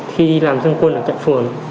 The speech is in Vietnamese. khi đi làm dân quân ở cạch phường